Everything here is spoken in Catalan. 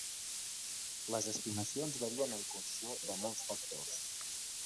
Les estimacions varien en funció de molts factors.